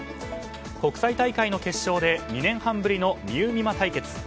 国際大会の決勝で２年半ぶりのみうみま対決。